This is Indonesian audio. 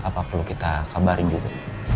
apa perlu kita kabarin gitu